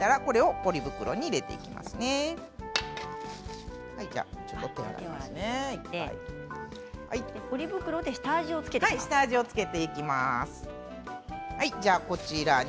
ポリ袋で下味を付けていくんですね。